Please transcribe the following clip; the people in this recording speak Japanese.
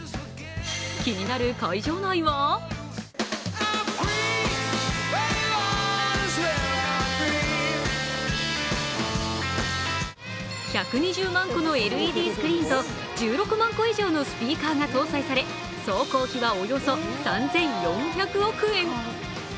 気になる会場内は１２０万個のＬＥＤスクリーンと１６万個以上のスピーカーが搭載され総工費はおよそ３４００億円。